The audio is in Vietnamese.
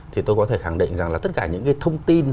thì tôi có thể khẳng định rằng là tất cả những cái thông tin